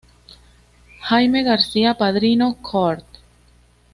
Jaime García Padrino, coord.